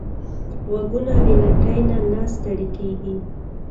غوږونه له لټۍ نه نه ستړي کېږي